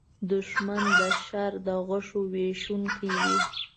دښمن د شر د غشو ویشونکی وي